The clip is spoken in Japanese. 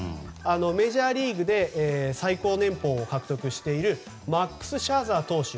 メジャーリーグで最高年俸を獲得しているマックス・シャーザー投手